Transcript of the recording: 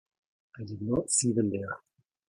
I did not see them there.